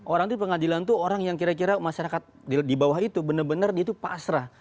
orang di pengadilan itu orang yang kira kira masyarakat di bawah itu benar benar dia itu pasrah